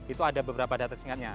itu ada beberapa data singkatnya